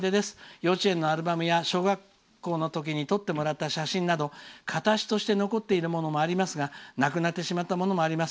幼稚園のアルバムや小学校のときに撮ってもらった写真など形として残っているものもありますがなくなってしまったものもあります。